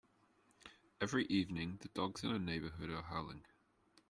Every evening, the dogs in our neighbourhood are howling.